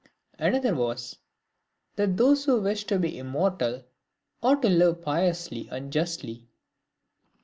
Another was, " That those who wish to be immortal ought to live piously and justly."